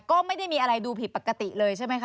ก็ไม่ได้มีอะไรดูผิดปกติเลยใช่ไหมคะ